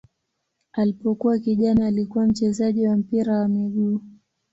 Alipokuwa kijana alikuwa mchezaji wa mpira wa miguu.